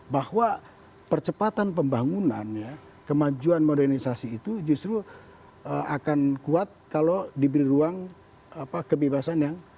bahwa percepatan pembangunan ya kemajuan modernisasi itu justru akan kuat kalau diberi ruang kebebasan yang